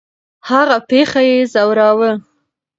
هغه پېښه یې ځوراوه.